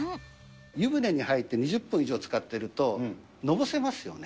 湯船に入って２０分以上つかっていると、のぼせますよね。